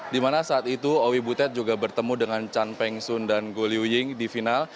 di mana saat itu owi butet juga bertemu dengan chan peng sun dan go liu ying di final